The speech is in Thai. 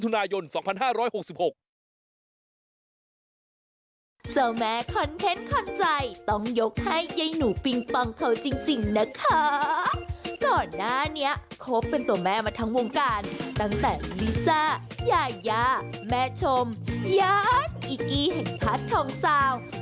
ย่าแม่ชมย้านอิกกี้แห่งทัศน์ทองสาว